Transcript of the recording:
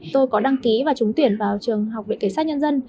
tôi có đăng ký và trúng tuyển vào trường học viện kể sát nhân dân